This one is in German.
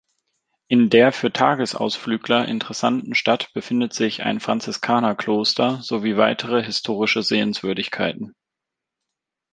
In der für Tagesausflügler interessanten Stadt befindet sich ein Franziskanerkloster sowie weitere historische Sehenswürdigkeiten.